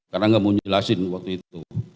karena gak mau njelasin waktu itu